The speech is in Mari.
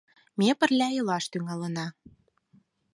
«Ме пырля илаш тӱҥалына».